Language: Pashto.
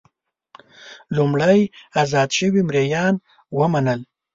لومړی ازاد شوي مریان ومنل.